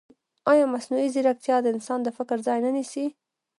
ایا مصنوعي ځیرکتیا د انسان د فکر ځای نه نیسي؟